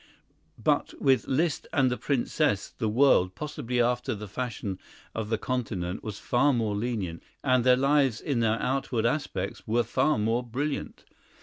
But with Liszt and his Princess the world, possibly after the fashion of the Continent, was far more lenient, and their lives in their outward aspects were far more brilliant.